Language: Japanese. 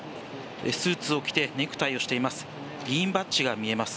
スーツを着てネクタイをしています。